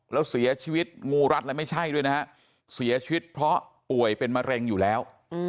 แล้วเสียชีวิตงูรัดแล้วไม่ใช่ด้วยนะฮะเสียชีวิตเพราะป่วยเป็นมะเร็งอยู่แล้ว